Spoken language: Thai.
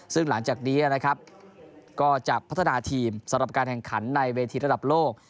ซึ่งหลังจากนี้นะครับก็จะพัฒนาทีมสำหรับการแข่งขันในเวทีระดับโลก